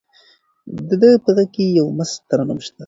د ده په غږ کې یو مست ترنم شته دی.